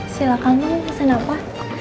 silahkan mau ngeselin apa